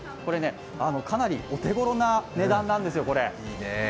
かなりお手ごろな値段なんですよ、これ。